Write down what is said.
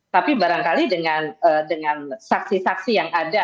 tapi barangkali dengan saksi saksi yang ada